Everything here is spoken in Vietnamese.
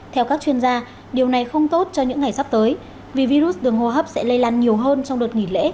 theo các chuyên gia điều này không tốt cho những ngày sắp tới vì virus đường hô hấp sẽ lây lan nhiều hơn trong đợt nghỉ lễ